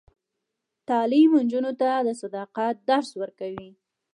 تعلیم نجونو ته د صداقت درس ورکوي.